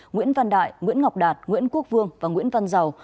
nguyễn văn đại nguyễn ngọc đạt nguyễn quốc vương và nguyễn văn giàu